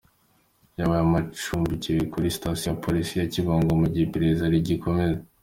Yabaye acumbikiwe kuri Sitasiyo ya Polisi ya Kibungo mu gihe iperereza rigikomeza.